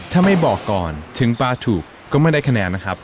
ถ้าไม่บอกก่อนถึงปลาถูกก็ไม่ได้คะแนนนะครับ